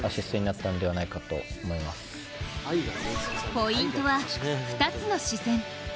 ポイントは２つの視線。